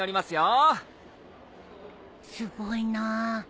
すごいなあ。